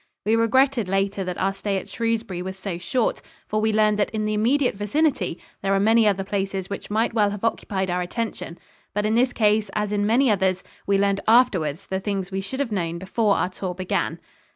We regretted later that our stay at Shrewsbury was so short, for we learned that in the immediate vicinity there are many other places which might well have occupied our attention; but in this case, as in many others, we learned afterwards the things we should have known before our tour began.